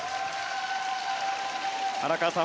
荒川さん